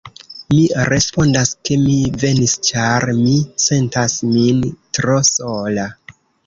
Mi respondas, ke mi venis ĉar mi sentas min tro sola.